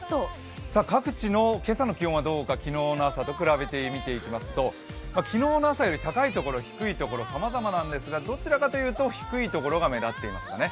各地の今朝の気温はどうか昨日の朝と比べて見ていきますと昨日の朝より高いところ、低いところ様々なんですがどちらかというと低いところが目立っていますね。